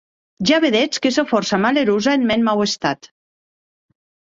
Ja vedetz que sò fòrça malerosa en mèn nau estat.